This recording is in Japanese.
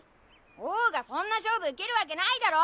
王がそんな勝負受けるわけないだろ。